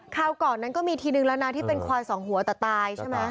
ก่อนนั้นก็มีทีนึงแล้วนะที่เป็นควายสองหัวแต่ตายใช่ไหม